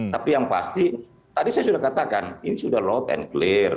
tapi yang pasti tadi saya sudah katakan ini sudah lod and clear